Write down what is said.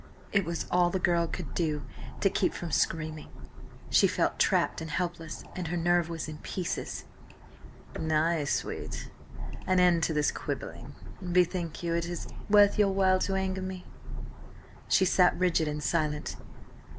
It was all the girl could do to keep from screaming. She felt trapped and helpless, and her nerve was in pieces. "Nay, sweet! An end to this quibbling. Bethink you, is it worth your while to anger me?" She sat rigid and silent.